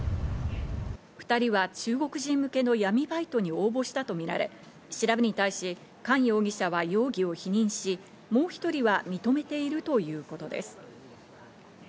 ２人は中国人向けの闇バイトに応募したとみられ、調べに対しカン容疑者は容疑を否認し、もう１人は認めているということです。